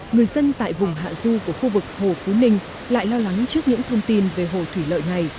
người dân tại vùng hạ du của khu vực hồ phú ninh lại lo lắng trước những thông tin về hồ thủy lợi này